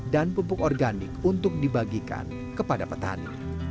dan pupuk organik untuk dibagikan kepada petani